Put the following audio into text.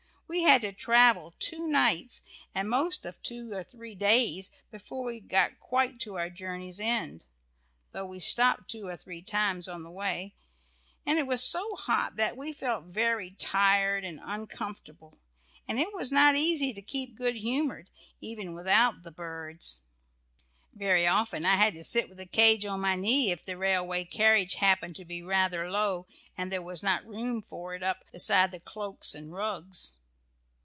We had to travel two nights, and most part of two or three days before we got quite to our journey's end, though we stopped two or three times on the way, and it was so hot that we felt very tired and uncomfortable, and it was not easy to keep good humoured even without the birds! Very often I had to sit with the cage on my knee if the railway carriage happened to be rather low, and there was not room for it up beside the cloaks and rugs.